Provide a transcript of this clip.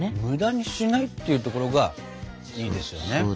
無駄にしないっていうところがいいですよね。